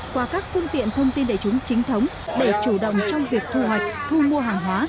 qua các phương tiện thông tin đại chúng chính thống để chủ động trong việc thu hoạch thu mua hàng hóa